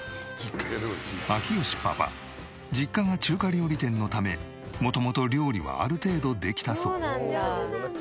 明慶パパ実家が中華料理店のため元々料理はある程度できたそう。